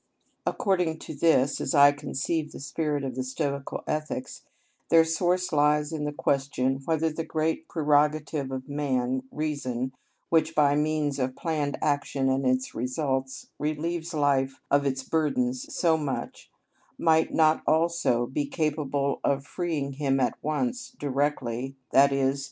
According to this, as I conceive the spirit of the Stoical ethics, their source lies in the question whether the great prerogative of man, reason, which, by means of planned action and its results, relieves life and its burdens so much, might not also be capable of freeing him at once, directly, _i.e.